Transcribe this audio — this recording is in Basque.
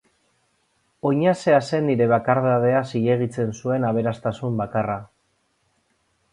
Oinazea zen nire bakardadea zilegitzen zuen aberastasun bakarra.